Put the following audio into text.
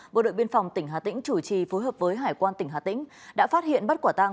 bộ đội biên phòng tỉnh hà tĩnh chủ trì phối hợp với hải quan tỉnh hà tĩnh đã phát hiện bắt quả tăng